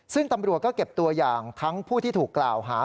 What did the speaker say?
ซึ่งตำรวจก็เก็บตัวอย่างทั้งผู้ที่ถูกกล่าวหา